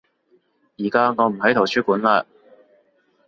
而家我唔喺圖書館嘞